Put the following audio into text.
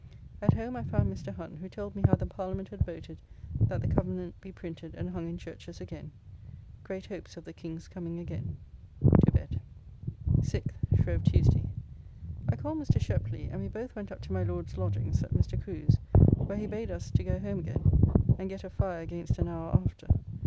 At home I found Mr. Hunt, who told me how the Parliament had voted that the Covenant be printed and hung in churches again. Great hopes of the King's coming again. To bed. 6th. (Shrove Tuesday.) I called Mr. Sheply and we both went up to my Lord's lodgings at Mr. Crew's, where he bade us to go home again, and get a fire against an hour after.